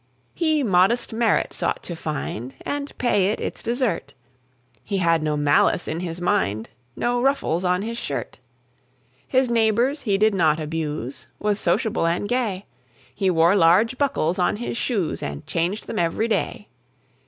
He modest merit sought to find, And pay it its desert; He had no malice in his mind, No ruffles on his shirt. His neighbours he did not abuse, Was sociable and gay; He wore large buckles on his shoes, And changed them every day.